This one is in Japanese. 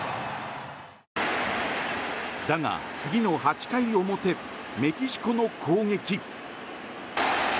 だが、次の８回表メキシコの攻撃。